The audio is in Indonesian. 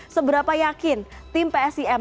seberapa yakin tim psim